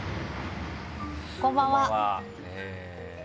こんばんは。